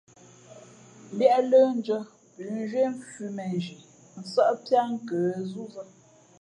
Liēʼ lə̌ndʉ̄ᾱ, pʉ̌nzhwē mfʉ̌ mēnzhi nsάʼ piá nkə̌ zúzᾱ.